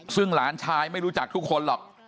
ซึ่งหลานชายไม่รู้จักทุกคนหรอก